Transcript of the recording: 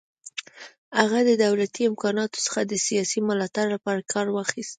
هغه د دولتي امکاناتو څخه د سیاسي ملاتړ لپاره کار واخیست.